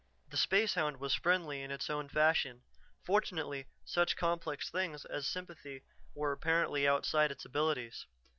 The spacehound was friendly in its own fashion; fortunately, such complex things as sympathy were apparently outside its abilities.